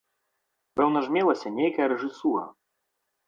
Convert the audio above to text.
Пэўна ж мелася нейкая рэжысура.